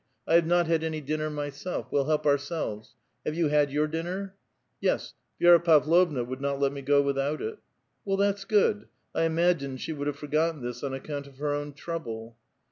I have not had any dinner myself. We'll help ourselves. Have you had your dinner? "'^ Yes ; Vi^ra Pavlovna would not let me go without it." *'Well, that's good. I imagined she would have forgot ten this on account of her own trouble."